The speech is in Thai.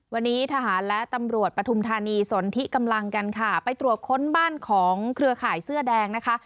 วันนี้ทหารและตำรวจปฐุมธานีสนทิกำลังกันค่ะไปตรวจค้นบ้านของเครือข่ายเสื้อแดงนะคะ